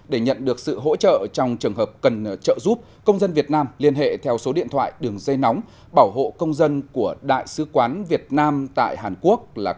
để nhận được sự hỗ trợ trong trường hợp cần trợ giúp công dân việt nam liên hệ theo số điện thoại đường dây nóng bảo hộ công dân của đại sứ quán việt nam tại hàn quốc là